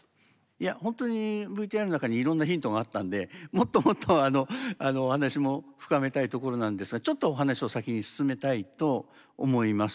いや本当にＶＴＲの中にいろんなヒントがあったんでもっともっとお話も深めたいところなんですがちょっとお話を先に進めたいと思います。